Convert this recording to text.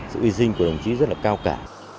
sự hy sinh của đồng chí rất là cao cả